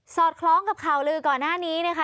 อดคล้องกับข่าวลือก่อนหน้านี้นะคะ